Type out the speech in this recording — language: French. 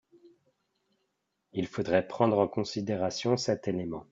Il faudrait prendre en considération cet élément.